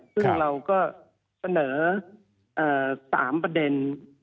ซึ่งเราก็เสนอ๓ประเด็น